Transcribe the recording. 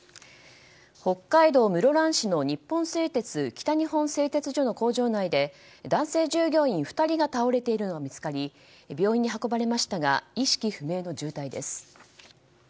北海道室蘭市の日本製鉄北日本製鉄所の工場内で男性従業員２人が倒れているのが見つかり病院に運ばれましたが意識不明の重体です。